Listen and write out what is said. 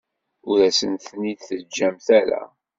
Ur asent-ten-id-teǧǧamt ara.